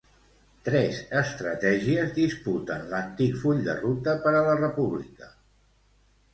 Tres estratègies disputen l'antic full de ruta per a la República.